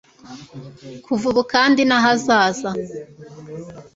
kuva ubu kandi n'ahazaza